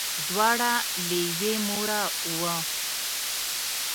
دواړه له یوې موره وه.